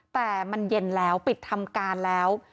แต่มันเย็นแล้วปิดทำการแล้ว